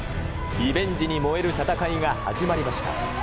リベンジに燃える戦いが始まりました。